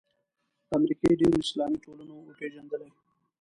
د امریکې ډېرو اسلامي ټولنو وپېژندلې.